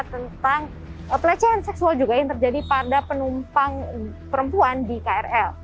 tentang pelecehan seksual juga yang terjadi pada penumpang perempuan di krl